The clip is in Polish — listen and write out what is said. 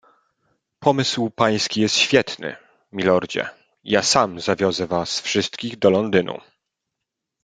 "Pomysł pański jest świetny, milordzie, ja sam zawiozę was wszystkich do Londynu."